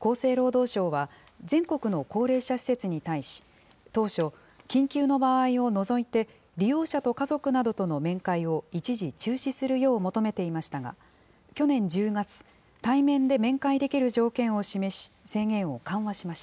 厚生労働省は、全国の高齢者施設に対し、当初、緊急の場合を除いて、利用者と家族などとの面会を一時中止するよう求めていましたが、去年１０月、対面で面会できる条件を示し、制限を緩和しました。